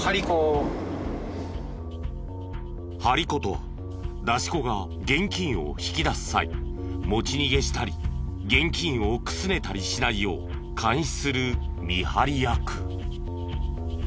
張り子とは出し子が現金を引き出す際持ち逃げしたり現金をくすねたりしないよう監視する見張り役。